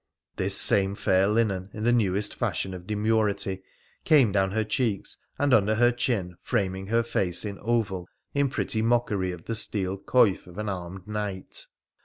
This same fair linen, in the newest fashion of demurity, came down her cheeks and under her chin, framing her face in oval, in pretty mockery of the steel coif of an armed knight.